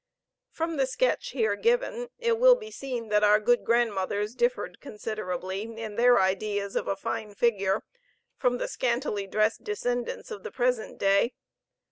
From the sketch here given, it will be seen that our good grandmothers differed considerably in their ideas of a fine figure from their scantily dressed descendants of the present day.